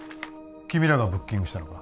君らがブッキングしたのか？